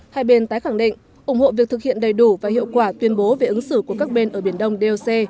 hai bên tái khẳng định ủng hộ việc thực hiện đầy đủ và hiệu quả tuyên bố về ứng xử của các bên ở biển đông doc